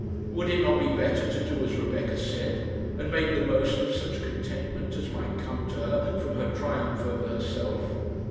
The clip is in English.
Would it not be better to do as Rebecca said, and make the most of such contentment as might come to her from her triumph over herself?